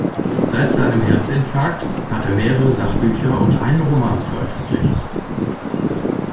Seit seinem Herzinfarkt hat er mehrere Sachbücher und einen Roman veröffentlicht.